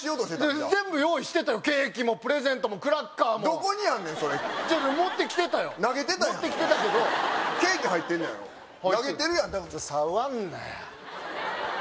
じゃ全部用意してたよケーキもプレゼントもクラッカーもどこにあんねんそれ全部持ってきてたよ投げてたやん持ってきてたけどケーキ入ってんのやろ投げてるやん触んなよ！